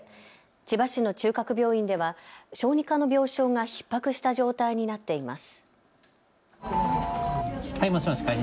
千葉市の中核病院では小児科の病床がひっ迫した状態になっています。